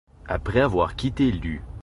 Après avoir quitté l'U.